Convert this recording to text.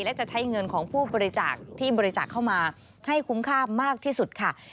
และจะใช้เงินของผู้บริจาคที่บริจาคเข้ามาให้คุ้มค่ามากที่สุดค่ะ